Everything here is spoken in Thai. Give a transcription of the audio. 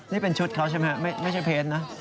นี่เป็นชุดเขาใช่ไหมไม่ใช่เพจนะ